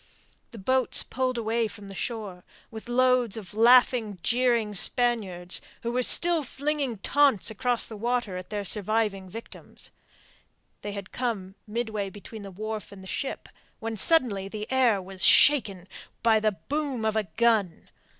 The boats pulled away from the shore, with their loads of laughing, jeering Spaniards, who were still flinging taunts across the water at their surviving victims. They had come midway between the wharf and the ship, when suddenly the air was shaken by the boom of a gun.